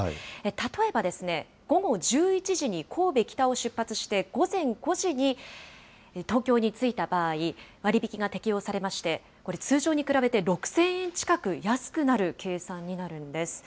例えば、午後１１時に神戸北を出発して、午前５時に東京に着いた場合、割引が適用されまして、これ、通常に比べて６０００円近く安くなる計算になるんです。